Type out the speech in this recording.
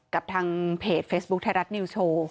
กับทางเพจเฟซบุ๊คไทยรัฐนิวโชว์